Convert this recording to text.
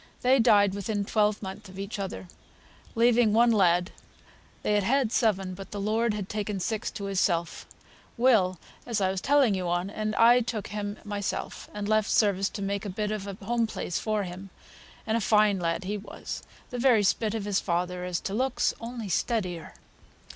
They died within twelvemonth of each other, leaving one lad (they had had seven, but the Lord had taken six to Himself), Will, as I was telling you on; and I took him myself, and left service to make a bit on a home place for him, and a fine lad he was, the very spit of his father as to looks, only steadier.